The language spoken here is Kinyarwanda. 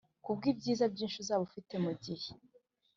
ku bw’ibyiza byinshi uzaba ufitemugihe